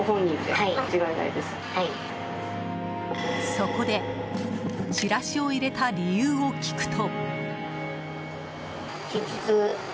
そこでチラシを入れた理由を聞くと。